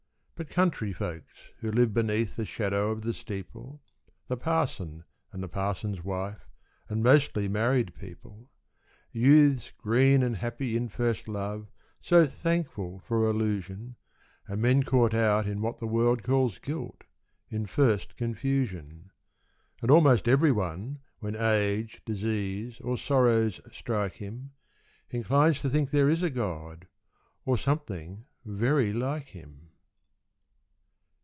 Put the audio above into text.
But country folks who live beneath The shadow of the steeple; The parson and the parson's wife, And mostly married people; Youths green and happy in first love, So thankful for illusion; And men caught out in what the world Calls guilt, in first confusion; And almost everyone when age, Disease, or sorrows strike him, Inclines to think there is a God, Or something very like Him.